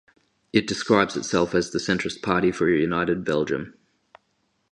It describes itself as "The Centrist Party for a United Belgium".